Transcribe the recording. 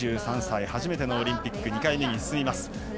２３歳初めてのオリンピック２回目に進みます。